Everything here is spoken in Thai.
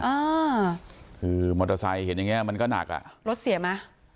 อ่าคือมอเตอร์ไซค์เห็นอย่างเงี้มันก็หนักอ่ะรถเสียไหม